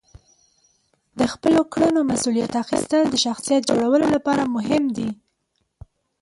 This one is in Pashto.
د خپلو کړنو مسئولیت اخیستل د شخصیت جوړولو لپاره مهم دي.